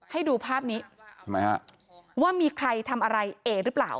ให้ดูภาพนี้ว่ามีใครทำอะไรเอ๋หรือเปล่า